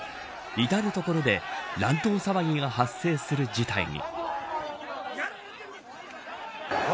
至る所で乱闘騒ぎが発生する事態に。